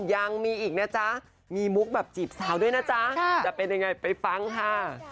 ยังมีอีกนะจ๊ะมีมุกแบบจีบสาวด้วยนะจ๊ะจะเป็นยังไงไปฟังค่ะ